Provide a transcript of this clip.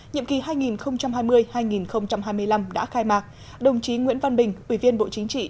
nhiệm kỳ hai nghìn hai mươi hai nghìn hai mươi năm đã khai mạc đồng chí nguyễn văn bình ủy viên bộ chính trị